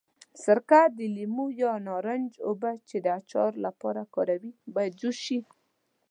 سرکه، د لیمو یا نارنج اوبه چې د اچار لپاره کاروي باید جوش شي.